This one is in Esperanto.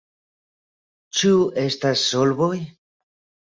Ĉu estas solvoj?